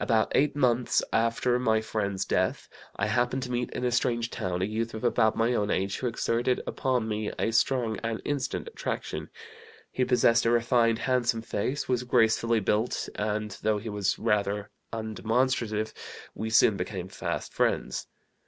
"About eight months after my friend's death I happened to meet in a strange town a youth of about my own age who exerted upon me a strong and instant attraction. He possessed a refined, handsome face, was gracefully built, and, though he was rather undemonstrative, we soon became fast friends.